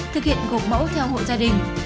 thực hiện gột mẫu theo hộ gia đình